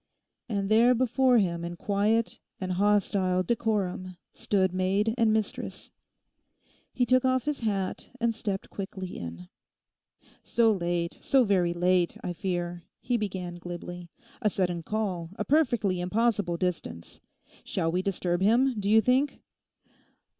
And there before him in quiet and hostile decorum stood maid and mistress. He took off his hat and stepped quickly in. 'So late, so very late, I fear,' he began glibly. 'A sudden call, a perfectly impossible distance. Shall we disturb him, do you think?